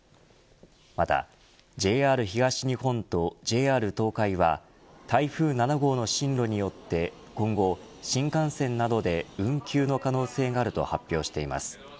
また、ＪＲ東日本とＪＲ東海は台風７号の進路によって今後、新幹線などで運休の可能性があると発表しています。